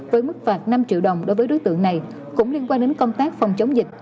với mức phạt năm triệu đồng đối với đối tượng này cũng liên quan đến công tác phòng chống dịch